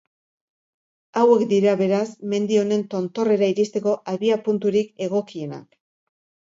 Hauek dira, beraz, mendi honen tontorrera iristeko abiapunturik egokienak.